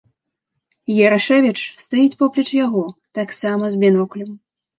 Ярашэвіч стаіць поплеч яго таксама з біноклем.